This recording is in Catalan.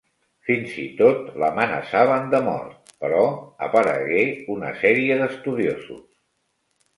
Fins i tot l’amenaçaven de mort, però aparegué una sèrie d’estudiosos.